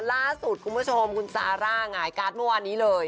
ล่าสุดคุณผู้ชมคุณซาร่าหงายการ์ดเมื่อวานนี้เลย